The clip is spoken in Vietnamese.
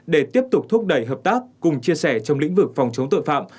để tiếp tục thúc đẩy hợp tác cùng chia sẻ trong lĩnh vực phòng chống tội phạm